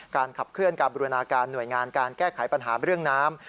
ขับเคลื่อนการบูรณาการหน่วยงานการแก้ไขปัญหาเรื่องน้ำ